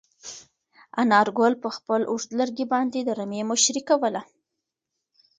انارګل په خپل اوږد لرګي باندې د رمې مشري کوله.